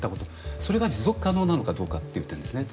それが持続可能なのかどうかっていう点ですね。